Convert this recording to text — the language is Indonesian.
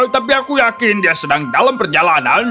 tapi aku yakin dia sedang dalam perjalanan